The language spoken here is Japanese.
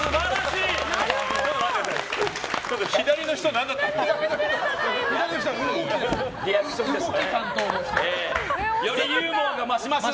左の人、何だったんですか？